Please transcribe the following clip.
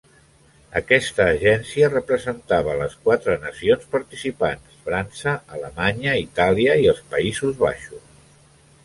Aquesta agència representava les quatre nacions participants: França, Alemanya, Itàlia i els Països Baixos.